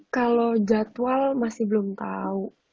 kalau jadwal masih belum tahu